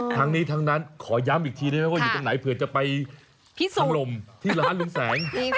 ทั้งนี้ทั้งนั้นขอย้ำอีกทีได้ไหมว่าอยู่ตรงไหนเผื่อจะไปลงที่ร้านลุงแสง